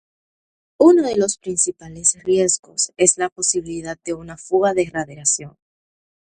Uno de los principales riesgos es la posibilidad de una fuga de radiación.